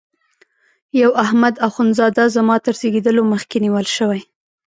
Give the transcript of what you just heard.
یو احمد اخوند زاده زما تر زیږېدلو مخکي نیول شوی.